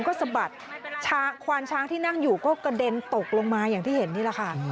ก็สะบัดควานช้างที่นั่งอยู่ก็กระเด็นตกลงมาอย่างที่เห็นนี่แหละค่ะ